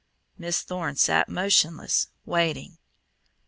Miss Thorne sat motionless, waiting.